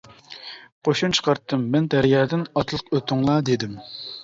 قوشۇن چىقارتتىم مەن دەريادىن ئاتلىق ئۆتۈڭلار دېدىم.